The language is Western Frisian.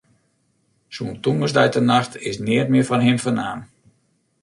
Sûnt tongersdeitenacht is neat mear fan him fernaam.